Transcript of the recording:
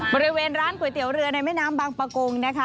บริเวณร้านก๋วยเตี๋ยวเรือในแม่น้ำบางประกงนะคะ